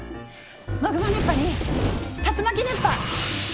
マグマ熱波に竜巻熱波。